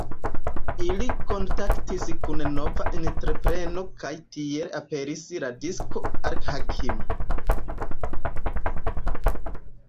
Ili kontaktis kun nova entrepreno kaj tiel aperis la disko "Al-Hakim".